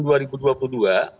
ini kan sebetulnya kalau